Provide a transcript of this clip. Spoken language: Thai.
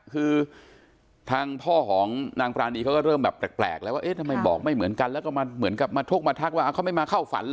คือทางพ่อของนางปรานีเขาก็เริ่มแบบแปลกแล้วว่าเอ๊ะทำไมบอกไม่เหมือนกันแล้วก็มาเหมือนกับมาทกมาทักว่าเขาไม่มาเข้าฝันเหรอ